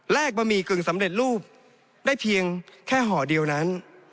บะหมี่กึ่งสำเร็จรูปได้เพียงแค่ห่อเดียวนั้น